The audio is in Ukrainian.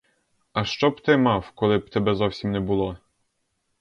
А що б ти мав, коли б тебе зовсім не було?